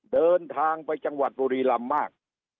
เดินทางไปจังหวัดบุรีรำมาก